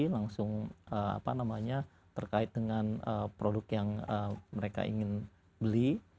langsung apa namanya terkait dengan produk yang mereka ingin beli